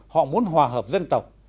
họ muốn hòa hợp dân tộc